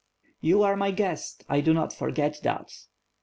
"You are my guest, I do not forget that."